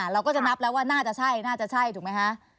เราก็จะนับแล้วว่าน่าจะใช่น่าจะใช่ถูกไหมคะ